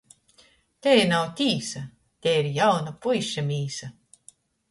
Tei nav tīsa! Tei ir jauna puiša mīsa.